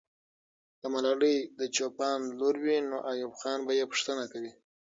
که ملالۍ د چوپان لور وي، نو ایوب خان به یې پوښتنه کوي.